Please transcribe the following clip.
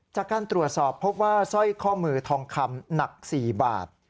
จากการตรวจสอบพบว่าสร้อยข้อมือทองคำหนัก๔บาท